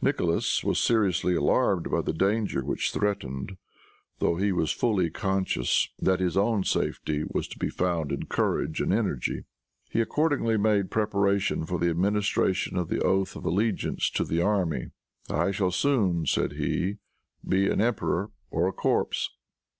Nicholas was seriously alarmed by the danger which threatened, though he was fully conscious that his only safety was to be found in courage and energy. He accordingly made preparation for the administration of the oath of allegiance to the army. "I shall soon," said he, "be an emperor or a corpse."